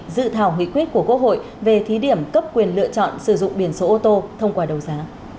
dự thảo nghị quyết của quốc hội về thí điểm cấp quyền lựa chọn sử dụng biển số ô tô thông qua đấu giá